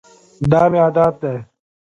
دا مي عادت دی .